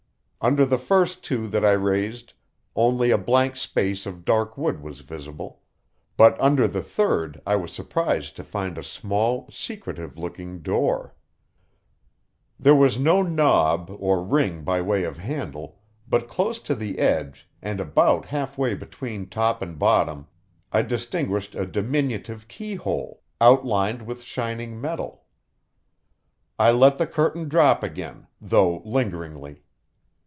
Under the first two that I raised only a blank space of dark wood was visible, but under the third I was surprised to find a small, secretive looking door. There was no knob or ring by way of handle, but close to the edge, and about half way between top and bottom, I distinguished a diminutive keyhole, outlined with shining metal. I let the curtain drop again, though lingeringly.